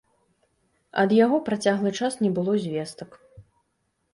Ад яго працяглы час не было звестак.